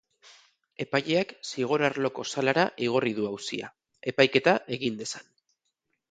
Epaileak zigor arloko salara igorri du auzia, epaiketa egin dezan.